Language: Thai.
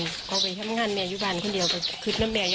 กับเข้าไปทำงานเนี่ยอยู่บ้านเขาเดียวก็เนี่ย